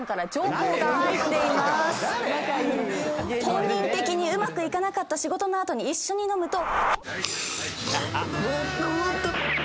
「本人的にうまくいかなかった仕事の後に一緒に飲むと」